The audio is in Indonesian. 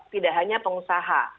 tidak hanya pengusaha